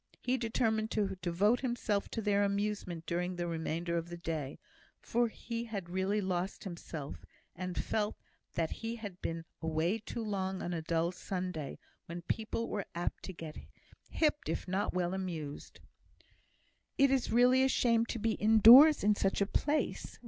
He determined to devote himself to their amusement during the remainder of the day, for he had really lost himself, and felt that he had been away too long on a dull Sunday, when people were apt to get hypped if not well amused. "It is really a shame to be indoors in such a place.